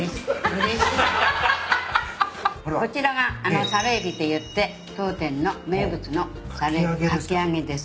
・こちらがサルエビっていって当店の名物のかき揚げです。